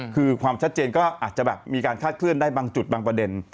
คือความชัดเจนก็อาจจะแบบมีการคาดเคลื่อนได้บางจุดบางประเด็น